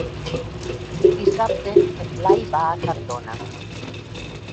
Dissabte en Blai va a Cardona.